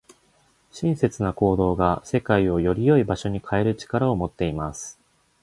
親切な行動が、世界をより良い場所に変える力を持っています。